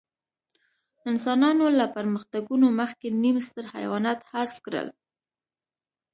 انسانانو له پرمختګونو مخکې نیم ستر حیوانات حذف کړل.